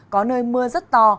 có nơi mưa rất to